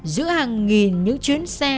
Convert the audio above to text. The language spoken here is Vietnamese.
giữa hàng nghìn những chuyến xe